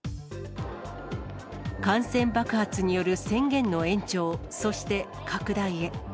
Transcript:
感染爆発による宣言の延長、そして拡大へ。